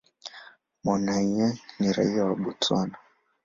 Monageng ni raia wa Botswana.